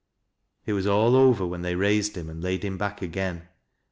It was all over when they raised him and laid him back ggain.